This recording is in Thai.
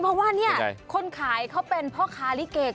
เพราะว่าเนี่ยคนขายเขาเป็นพ่อค้าลิเก